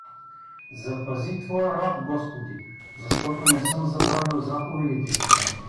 Запази твоя раб, господи, защото не съм забравил заповедите ти!